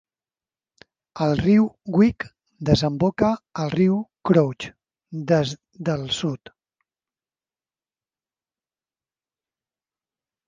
El riu Wick desemboca al riu Crouch des del sud.